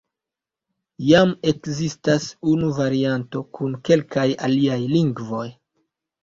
Jam ekzistas unua varianto kun kelkaj aliaj lingvoj.